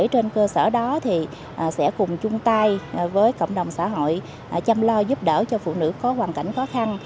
trên cơ sở đó sẽ cùng chung tay với cộng đồng xã hội chăm lo giúp đỡ cho phụ nữ có hoàn cảnh khó khăn